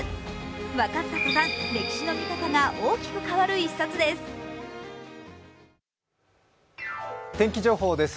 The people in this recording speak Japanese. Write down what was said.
分かったとたん、歴史の見方が大きく変わる一冊です。